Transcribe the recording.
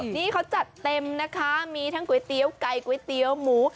นี่เขาจัดเต็มนะคะมีทั้งก๋วยเตี๋ยวไก่ก๋วยเตี๋ยวหมู